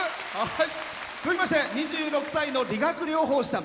続きまして２６歳の理学療法士さん。